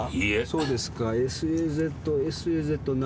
そうです。